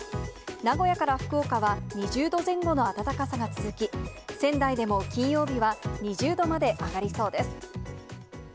名古屋から福岡は２０度前後の暖かさが続き、仙台でも金曜日は２０度まで上がりそうです。